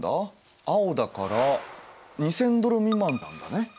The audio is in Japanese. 青だから２，０００ドル未満なんだね。